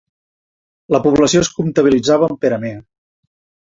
La població es comptabilitzava amb Peramea.